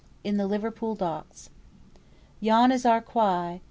IN THE LIVERPOOL DOCKS. "Yon is our quay!